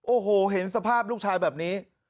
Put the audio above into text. โอ้โหเห็นสภาพลูกชายแบบนี้